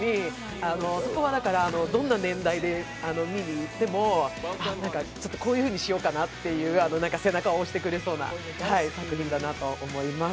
そこはどんな年代で見に行ってもこういうふうにしようかなと背中を押してくれるような作品だと思います。